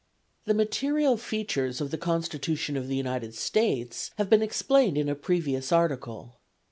The material features of the Constitution of the United States have been explained in a previous article.